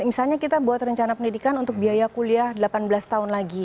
misalnya kita buat rencana pendidikan untuk biaya kuliah delapan belas tahun lagi